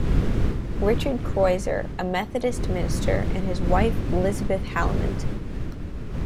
Richard Crozier, a Methodist minister, and his wife, Elizabeth Hallimond.